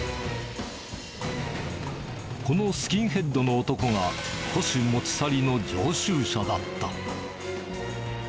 このスキンヘッドの男が古紙持ち去りの常習者だった。